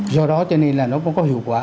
do đó cho nên là nó cũng có hiệu quả